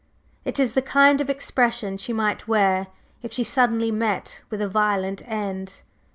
It is the kind of expression she might wear if she suddenly met with a violent end."